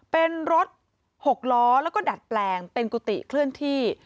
เป็นรถ๖ล้อแล้วก็ดัดแปลงเป็นกุฏิเคลื่อนที่